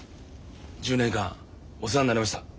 １０年間お世話になりました。